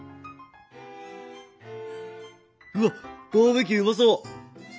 うわっバーベキューうまそう！